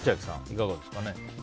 いかがですか？